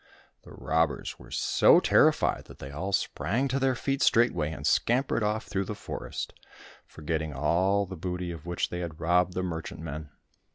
The robbers were so terrified that they all sprang to their feet straight way and scampered off through the forest, forgetting all the booty of which they had robbed the merchant men.